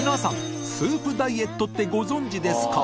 祿Г気スープダイエットってご存じですか？